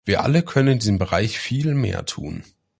Wir alle können in diesem Bereich viel mehr tun.